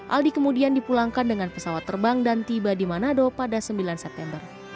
aldi kemudian dipulangkan dengan pesawat terbang dan tiba di manado pada sembilan september